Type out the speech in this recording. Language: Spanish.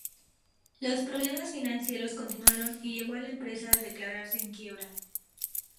Los problemas financieros continuaron y llevó a la empresa a declararse en quiebra.